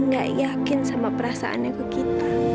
gak yakin sama perasaannya ke kita